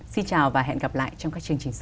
xin chào và hẹn gặp lại trong các chương trình sau